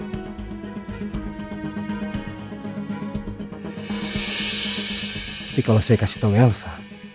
tapi kalau saya kasih tahu elsa